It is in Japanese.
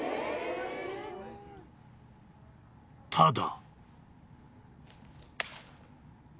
［ただ］